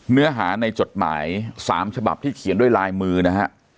เนื้อหาในจดหมาย๓ฉบับที่เขียนด้วยลายมือนะฮะ